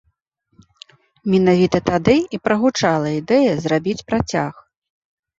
Менавіта тады і прагучала ідэя зрабіць працяг.